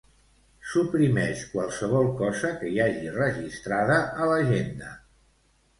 Suprimeix qualsevol cosa que hi hagi registrada a l'agenda.